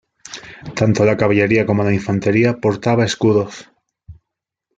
Tanto la caballería como la infantería portaba escudos.